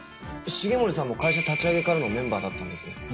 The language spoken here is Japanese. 重森さんも会社立ち上げからのメンバーだったんですね。